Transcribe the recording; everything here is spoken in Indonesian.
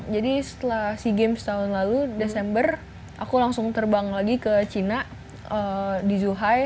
jadi setelah sea games tahun lalu desember aku langsung terbang lagi ke china di zhuhai